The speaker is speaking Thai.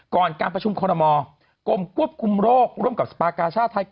ก่อนการประชุมคอลโลมอล์กรมกรวบคุมโรคร่วมกับสปาคารชาติชาติไทย